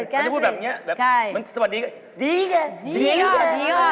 แก้วกระดาษพิมล์ไลค่ะ